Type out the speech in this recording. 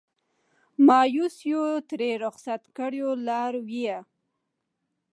مایوسیو ترې رخصت کړو لارویه